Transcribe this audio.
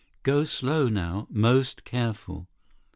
Go slow now. Most careful."